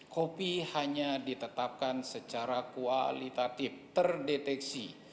kopi hanya ditetapkan secara kualitatif terdeteksi